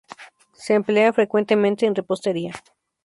Se emplea frecuentemente en repostería.